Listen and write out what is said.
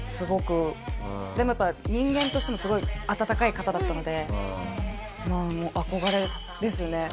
でもやっぱり人間としてもすごい温かい方だったので憧れですね。